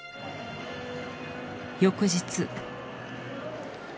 翌日。